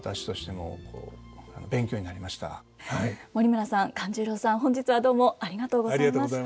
森村さん勘十郎さん本日はどうもありがとうございました。